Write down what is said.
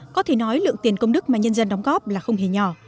có thể nói lượng tiền công đức mà nhân dân đóng góp là không hề nhỏ